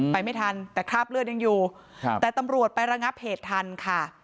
ไปไม่ทันแต่คราบเลือดยังอยู่ครับแต่ตำรวจไประงับเหตุทันค่ะ